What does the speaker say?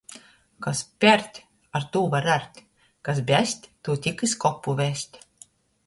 Kas pard, ar tū var art, kas bazd – tū tik iz kopu vest.